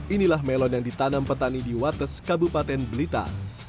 inilah melon yang ditanam petani di wates kabupaten blitar